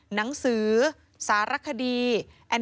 หนังสือสารคดีแอนิเมชั่น